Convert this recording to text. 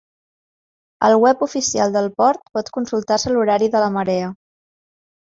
Al web oficial del port pot consultar-se l'horari de la marea.